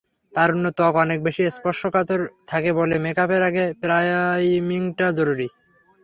তারুণ্যে ত্বক অনেক বেশি স্পর্শকাতর থাকে বলে মেকআপের আগে প্রাইমিংটা জরুরি।